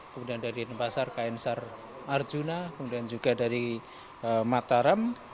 kemudian dari denpasar kn sar arjuna kemudian juga dari mataram